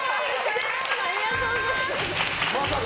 ありがとうございます！